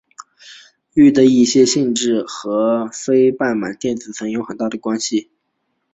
铕的一些性质和其半满的电子层有很大的关系。